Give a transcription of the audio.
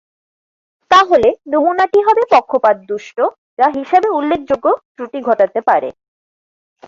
তাহলে নমুনাটি হবে পক্ষপাতদুষ্ট যা হিসাবে উল্লেখযোগ্য ত্রুটি ঘটাতে পারে।